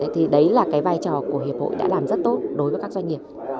thì đấy là cái vai trò của hiệp hội đã làm rất tốt đối với các doanh nghiệp